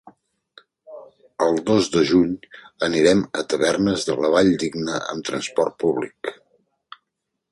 El dos de juny anirem a Tavernes de la Valldigna amb transport públic.